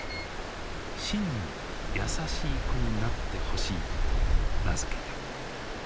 真に優しい子になってほしいと名付けた。